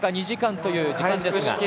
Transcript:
２時間という時間ですが。